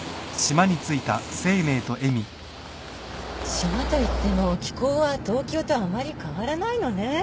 島といっても気候は東京とあまり変わらないのねぇ。